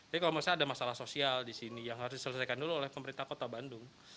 jadi kalau misalnya ada masalah sosial di sini yang harus diselesaikan dulu oleh pemerintah kota bandung